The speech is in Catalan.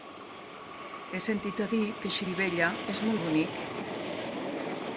He sentit a dir que Xirivella és molt bonic.